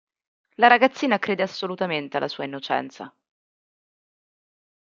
La ragazzina crede assolutamente alla sua innocenza.